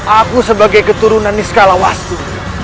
aku sebagai keturunan niskalawastu